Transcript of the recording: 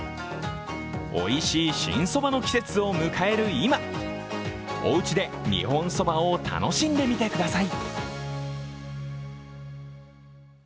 おいしい新そばの季節を迎える今おうちで日本そばを楽しんでみてください。